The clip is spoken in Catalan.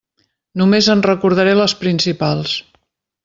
Només en recordaré les principals.